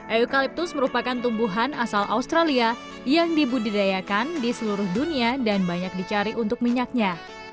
eucalyptus merupakan tumbuhan asal australia yang dibudidayakan di seluruh dunia dan banyak dicari untuk minyaknya